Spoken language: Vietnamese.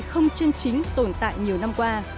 không chân chính tồn tại nhiều năm qua